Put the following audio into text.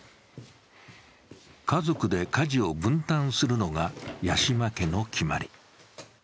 家族で家事を分担するのが八島家の決まり。